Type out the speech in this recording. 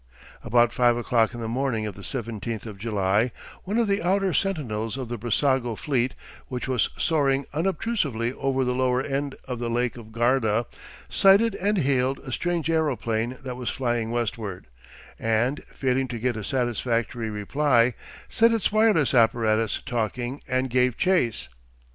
About five o'clock in the morning of the seventeenth of July one of the outer sentinels of the Brissago fleet, which was soaring unobtrusively over the lower end of the lake of Garda, sighted and hailed a strange aeroplane that was flying westward, and, failing to get a satisfactory reply, set its wireless apparatus talking and gave chase.